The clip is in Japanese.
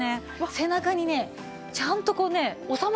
背中にねちゃんとこうね収まるんですよ。